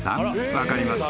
分かりますか？］